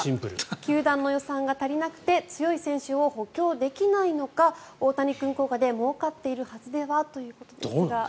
球団の予算が足りなくて強い選手を補強できないのか大谷君効果でもうかっているはずではということですが。